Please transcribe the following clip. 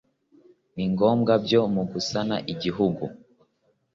ni ngombwa byo mu gusana igihugu